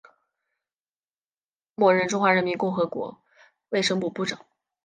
末任中华人民共和国卫生部部长。